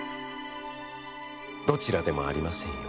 「どちらでもありませんよ。